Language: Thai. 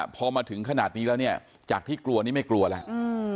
พอมาถึงขนาดนี้แล้วเนี่ยจากที่กลัวนี่ไม่กลัวแล้ว